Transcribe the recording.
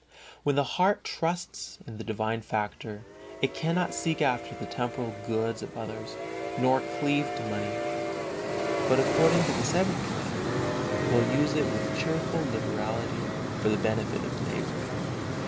When the heart trusts in the divine favor, it cannot seek after the temporal goods of others, nor cleave to money, but according to the Seventh Commandment, will use it with cheerful liberality for the benefit of the neighbor.